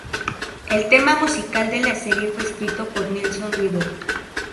El tema musical de la serie fue escrito por Nelson Riddle.